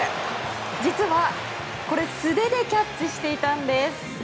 実はこれ素手でキャッチしていたんです。